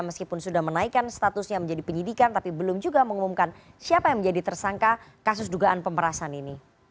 meskipun sudah menaikkan statusnya menjadi penyidikan tapi belum juga mengumumkan siapa yang menjadi tersangka kasus dugaan pemerasan ini